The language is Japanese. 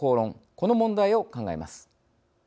この問題を考えます。